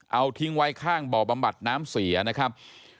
เอาทิ้งไว้ข้างบ่อบำบัดน้ำเสียนะครับ